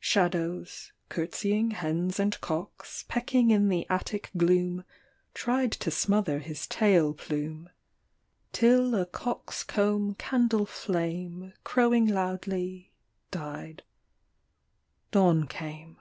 Shadows (curtseying hens and cocks) Pecking in the attic gloom Tried to smother his tail plume — Till a cock's comb candle flame Crowing loudly, died. Dawn came.